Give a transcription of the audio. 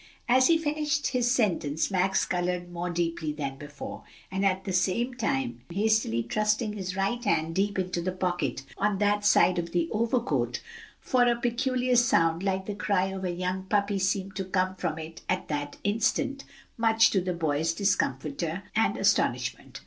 As he finished his sentence Max colored more deeply than before, at the same time hastily thrusting his right hand deep into the pocket on that side of his overcoat, for a peculiar sound like the cry of a young puppy seemed to come from it at that instant, much to the boy's discomfiture and astonishment.